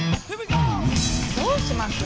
どうします？